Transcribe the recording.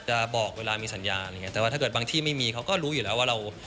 จะบอกเวลามีสัญญาณแต่ว่าถ้าเกิดบางที่ไม่มีเขาก็รู้อยู่แล้วว่าเรา